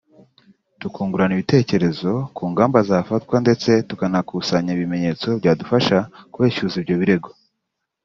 tukungurana ibitekerezo ku ngamba zafatwa ndetse tukanakusanya ibimenyetso byadufasha kubeshyuza ibyo birego